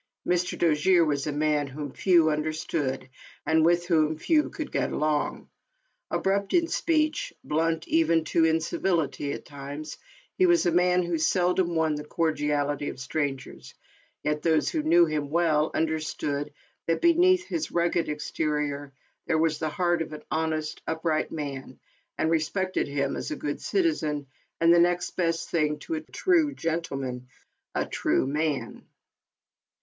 Mr. Dojere was a man whom few un derstood, and with whom few could get along. Abrupt in speech, blunt even to incivility at times, he was a man who seldom won the cor diality of strangers, yet those who knew him well, understood that, beneath his rugged exterior, ALICE ; OR, THE WAGES OF SIN. 13 there was the heart of an honest, upright man, and respected him as a good citizen, and the next best thing to a true gentleman, a true man.